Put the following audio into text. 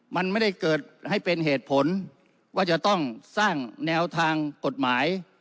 มันไม่ได้เกิดให้เป็นเหตุผลว่าจะต้องสร้างแนวทางกฎหมาย